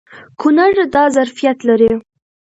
کونړ دا ظرفیت لري.